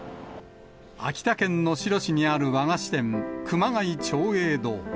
秋田県能代市にある和菓子店、熊谷長栄堂。